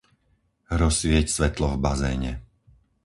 Rozsvieť svetlo v bazéne.